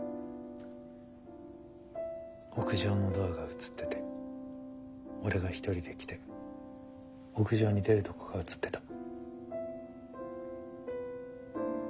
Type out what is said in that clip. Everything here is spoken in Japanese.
屋上のドアが映ってて俺が一人で来て屋上に出るとこが映ってた。